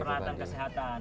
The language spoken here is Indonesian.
iya peralatan kesehatan